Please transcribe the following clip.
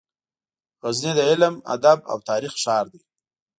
غزني د علم، ادب او تاریخ ښار دی.